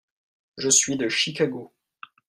Je suis de Chicago.